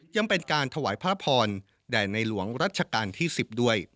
ยังเป็นการถวายพระพรแด่ในหลวงรัชกาลที่๑๐ด้วย